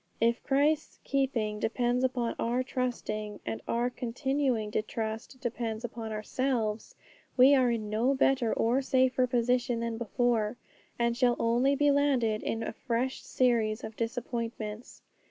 If Christ's keeping depends upon our trusting, and our continuing to trust depends upon ourselves, we are in no better or safer position than before, and shall only be landed in a fresh series of disappointments.